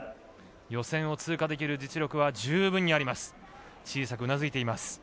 予選を通過できる実力は十分にあります。